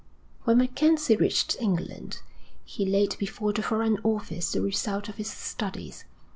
When MacKenzie reached England, he laid before the Foreign Office the result of his studies.